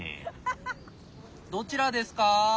どちらですか？